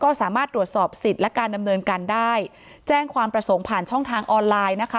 ก็สามารถตรวจสอบสิทธิ์และการดำเนินการได้แจ้งความประสงค์ผ่านช่องทางออนไลน์นะคะ